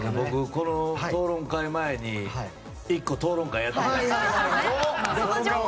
この討論会前に１個、討論会やってきたんですよ。